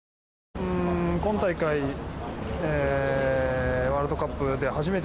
今大会ワールドカップで初めて